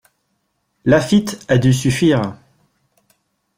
Laffitte a dû suffire.